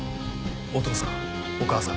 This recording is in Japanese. お父さんお母さん。